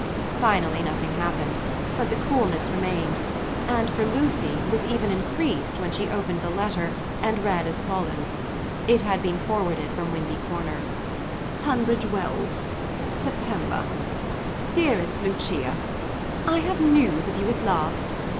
Finally nothing happened; but the coolness remained, and, for Lucy, was even increased when she opened the letter and read as follows. It had been forwarded from Windy Corner. "TUNBRIDGE WELLS, "September. "DEAREST LUCIA, "I have news of you at last!